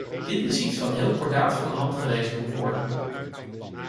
Dit is iets dat heel kordaat van de hand gewezen moet worden.